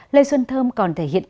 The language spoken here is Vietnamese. lê xuân thơm còn thể hiện ra